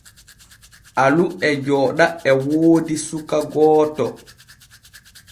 Alu e jooɗa e woodi suka gooto.